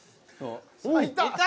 あっいった。